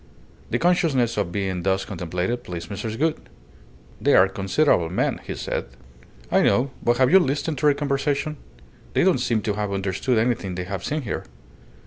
The consciousness of being thus contemplated pleased Mrs. Gould. "They are considerable men," he said. "I know. But have you listened to their conversation? They don't seem to have understood anything they have seen here."